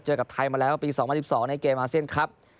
กับไทยมาแล้วปี๒๐๑๒ในเกมอาเซียนครับ